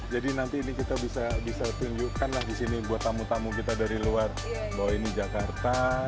jadi nanti ini kita bisa tunjukkan lah di sini buat tamu tamu kita dari luar bahwa ini jakarta